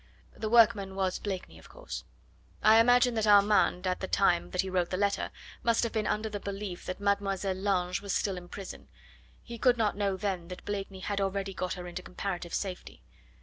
The workman was Blakeney, of course. I imagine that Armand, at the time that he wrote the letter, must have been under the belief that Mademoiselle Lange was still in prison; he could not know then that Blakeney had already got her into comparative safety.